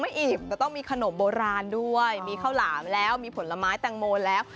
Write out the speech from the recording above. อิ่มก็ต้องมีขนมโบราณด้วยมีข้าวหลามแล้วมีผลไม้แตงโมแล้ว